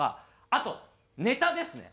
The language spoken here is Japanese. あとネタですね。